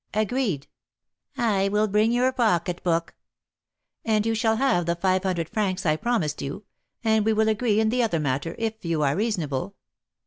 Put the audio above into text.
"Agreed." "I will bring your pocketbook." "And you shall have the five hundred francs I promised you, and we will agree in the other matter, if you are reasonable."